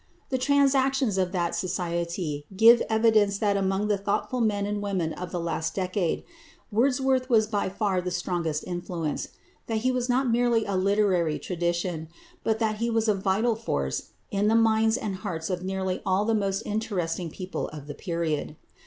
The Transactions of that Society give evidence that among the thoughtful men and women of the last decade Wordsworth was by far the strongest influence, that he was not merely a literary tradition, but that he was a vital force in the minds and hearts of nearly all the most interesting people of the period.